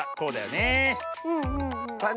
ねえ。